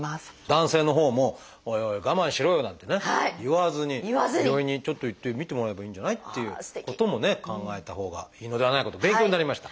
男性のほうも「おいおい我慢しろよ」なんてね言わずに「病院にちょっと行って診てもらえばいいんじゃない？」っていうこともね考えたほうがいいのではないかと勉強になりました。